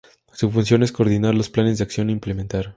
Su función es coordinar los planes de acción a implementar.